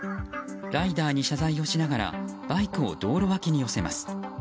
ライダーに謝罪をしながらバイクを道路脇に寄せます。